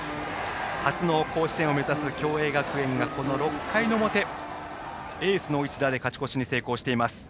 初の甲子園を目指す共栄学園がこの６回の表、エースの一打で勝ち越しに成功しています。